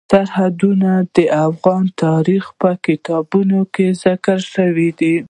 سرحدونه د افغان تاریخ په کتابونو کې ذکر شوی دي.